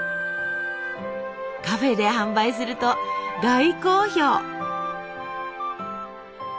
カフェで販売すると大好評。